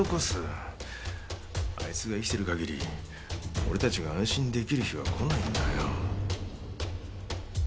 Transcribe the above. あいつが生きてる限り俺たちが安心出来る日は来ないんだよ。